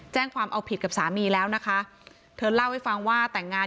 แจ้งความเอาผิดกับสามีแล้วนะคะเธอเล่าให้ฟังว่าแต่งงาน